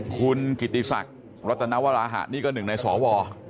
คุณกิติศักดิ์รัตนวราหะนี่ก็หนึ่งในสว